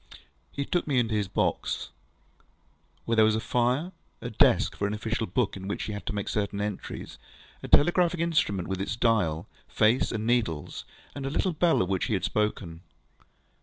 He took me into his box, where there was a fire, a desk for an official book in which he had to make certain entries, a telegraphic instrument with its dial, face, and needles, and the little bell of which he had spoken.